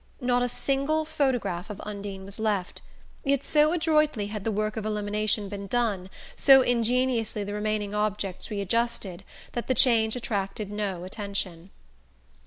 Not a single photograph of Undine was left; yet so adroitly had the work of elimination been done, so ingeniously the remaining objects readjusted, that the change attracted no attention.